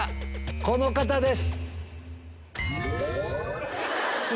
この方です！